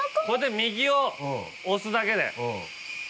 これで右を押すだけで。